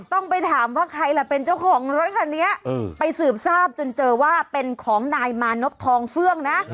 ต้องไปถามว่าใครล่ะเป็นเจ้าของรถคันนี้ไปสืบทราบจนเจอว่าเป็นของนายมานพทองเฟื่องนะ